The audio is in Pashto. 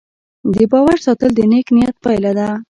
د باور ساتل د نیک نیت پایله ده.